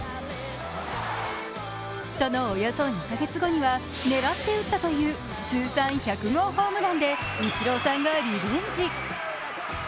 そのおよそ２カ月後には狙って打ったという通算１００号ホームランでイチローさんがリベンジ。